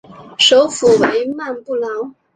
首府为曼布劳。